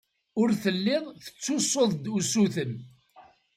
Ur telliḍ tettessuḍ-d usuten.